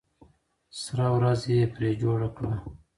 سره ورځ یې پرې جوړه کړه.